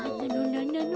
なんなの？